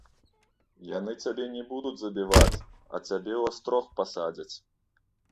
Яны цябе не будуць забіваць, а цябе ў астрог пасадзяць.